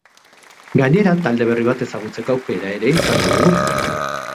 Gainera, talde berri bat ezagutzeko aukera ere izango dugu.